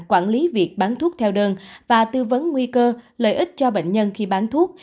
quản lý việc bán thuốc theo đơn và tư vấn nguy cơ lợi ích cho bệnh nhân khi bán thuốc